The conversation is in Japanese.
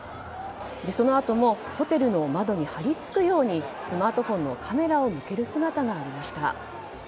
そのあともホテルの窓に張り付くようにスマートフォンのカメラを向ける姿がありました。